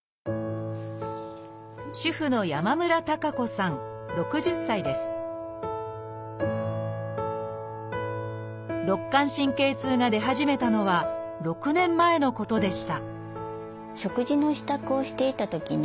主婦の肋間神経痛が出始めたのは６年前のことでした